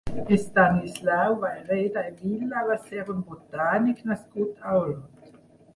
Estanislau Vayreda i Vila va ser un botànic nascut a Olot.